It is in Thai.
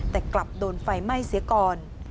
แต่กลับโดนไฟไหม้เสียก่อน